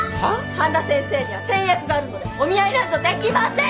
半田先生には先約があるのでお見合いなんぞできません！